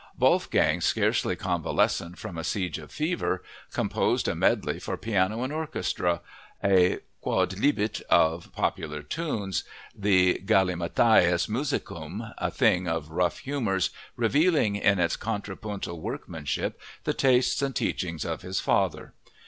Wolfgang, scarcely convalescent from a siege of fever, composed a medley for piano and orchestra—a quodlibet of popular tunes—the galimathias musicum, a thing of rough humors revealing in its contrapuntal workmanship the tastes and teachings of his father.